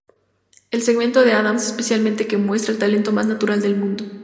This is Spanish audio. El segmento de Adams especialmente, que muestra el talento más natural del mundo.